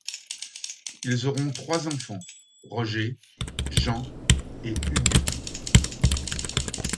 Ils auront trois enfants, Roger, Jean et Hugues.